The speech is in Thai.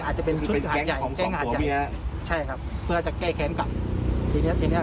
อาจจะเป็นชุดฝ่าใจเก้งหาใหญ่